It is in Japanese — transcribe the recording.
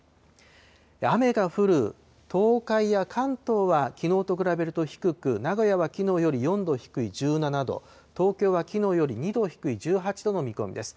雨が降る東海や関東は、きのうと比べると低く、名古屋はきのうより４度低い１７度、東京はきのうより２度低い１８度の見込みです。